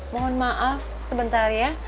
mohon maaf sebentar ya